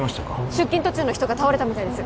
出勤途中の人が倒れたみたいです